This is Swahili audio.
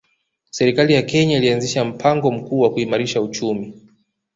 Serikali ya Kenya ilianzisha mpango mkuu wa kuimarisha uchumi